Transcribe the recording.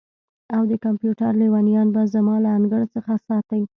او د کمپیوټر لیونیان به زما له انګړ څخه ساتئ